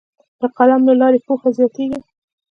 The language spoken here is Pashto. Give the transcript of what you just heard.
د قلم له لارې پوهه زیاتیږي.